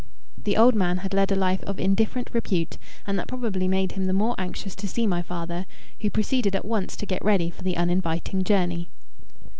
The old man had led a life of indifferent repute, and that probably made him the more anxious to see my father, who proceeded at once to get ready for the uninviting journey.